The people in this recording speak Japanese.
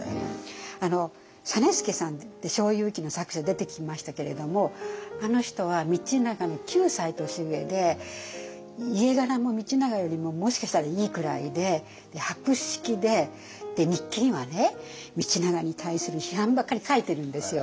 実資さんって「小右記」の作者出てきましたけれどもあの人は道長の９歳年上で家柄も道長よりももしかしたらいいくらいで博識で日記にはね道長に対する批判ばっかり書いてるんですよ。